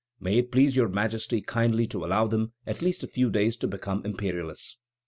may it please Your Majesty kindly to allow them at least a few days to become imperialists!"